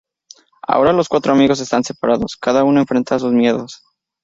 Ahora los cuatro amigos están separados, cada uno enfrentado a sus miedos.